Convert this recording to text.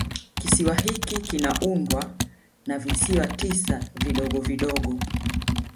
Kisiwa hiki kinaundwa na visiwa tisa vidogo vidogo